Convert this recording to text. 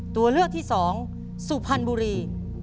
ตัวเลือกที่สองสุพรรณบุรี